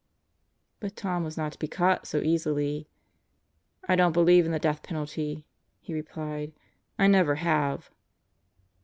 But Tom was not to be caught so easily. "I don't believe in the death penalty," he replied. "I never have."